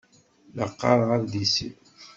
La qqaṛeɣ adlis-iw.